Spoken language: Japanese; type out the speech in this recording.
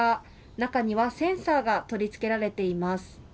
中にはセンサーが取り付けられています。